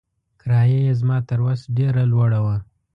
کرایه یې زما تر وس ډېره لوړه وه.